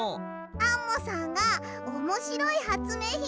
アンモさんがおもしろいはつめいひんみせてくれたり！